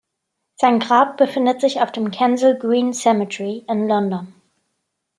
Sein Grab befindet sich auf dem Kensal Green Cemetery in London.